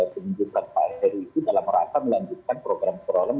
kebijakan pak heri itu dalam merata melanjutkan program program